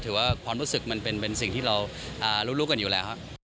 ถือว่าครองรู้สึกเป็นซิ่งที่เรารู้กันอยู่แหละ